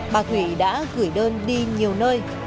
bà thủy đã gửi đơn đi nhiều nơi